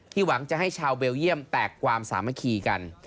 หวังจะให้ชาวเบลเยี่ยมแตกความสามัคคีกัน